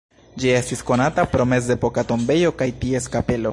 Ĝi estis konata pro mezepoka tombejo kaj ties kapelo.